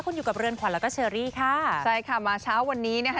คุณอยู่กับเรือนขวัญแล้วก็เชอรี่ค่ะใช่ค่ะมาเช้าวันนี้นะคะ